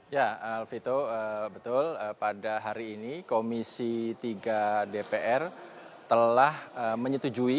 ya alvito betul pada hari ini komisi tiga dpr telah menyetujui